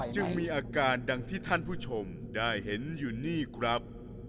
จึงมีอาการดังที่ท่านผู้ชมได้เห็นอยู่นี่ครับ